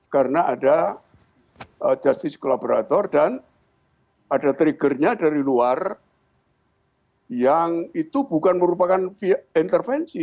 karena ada justice collaborator dan ada triggernya dari luar yang itu bukan merupakan via intervensi